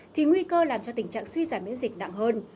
thì nguy cơ làm cho tình trạng suy giảm miễn dịch nặng hơn